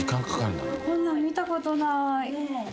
こんなん見た事ない！